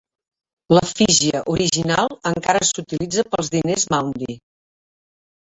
L'efígie original encara s'utilitza pels diners maundy.